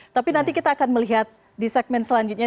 tapi nanti kita akan melihat di segmen selanjutnya